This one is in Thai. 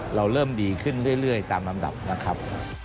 เราเริ่มดีขึ้นเรื่อยตามลำดับนะครับ